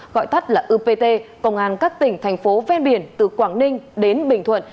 gọi tắt là upt công an các tỉnh thành phố ven biển từ quảng ninh đến bình thuận